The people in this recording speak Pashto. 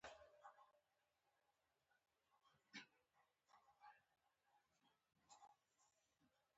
د حمل له دولسم تر شلم پورې د نېټې بېلګه ده.